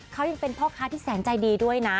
เขายังเป็นพ่อค้าที่แสนใจดีด้วยนะ